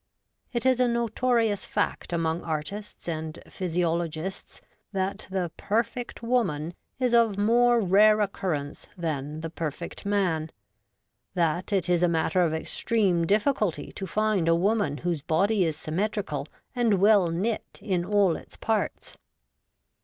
It is a notorious fact among artists and phy siologists that the Perfect Woman is of more rare occurrence than the Perfect Man ; that it is a matter of extreme difficulty to find a woman whose body is symmetrical and well knit in all its parts.